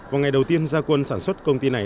vào ngày đầu tiên gia quân sản xuất công ty này